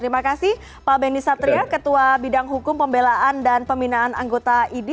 terima kasih pak benny satria ketua bidang hukum pembelaan dan pembinaan anggota idi